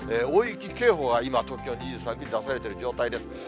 大雪警報は今、東京２３区に出されている状態です。